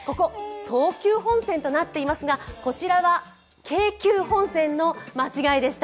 「東急本線」となっていますが、「京急本線」の間違いです。